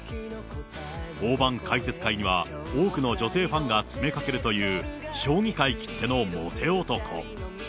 大盤解説会には多くの女性ファンが詰めかけるという、将棋界きってのモテ男。